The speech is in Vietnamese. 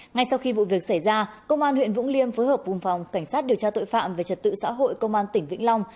ngay sau khi vụ việc xảy ra công an huyện vũng liêm phối hợp cùng phòng cảnh sát điều tra tội phạm về trật tự xã hội công an tỉnh vĩnh long